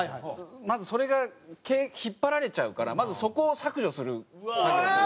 まずそれが毛引っ張られちゃうからまずそこを削除する作業というか。